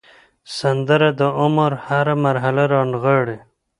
سندره د عمر هره مرحله رانغاړي